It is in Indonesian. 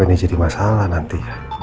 ini jadi masalah nanti